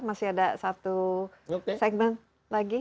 masih ada satu segmen lagi